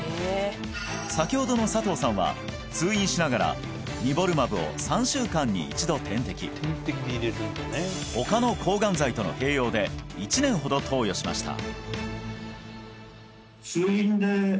先ほどの佐藤さんは通院しながらニボルマブを他の抗がん剤との併用で１年ほど投与しました